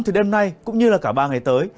từ đêm nay cũng như là cả ba ngày tới